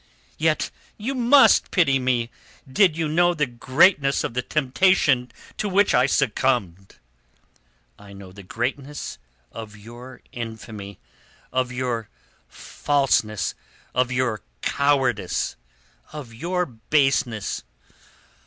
"Yet you must pity me did you know the greatness of the temptation to which I succumbed." "I know the greatness of your infamy, of your falseness, of your cowardice, of your baseness.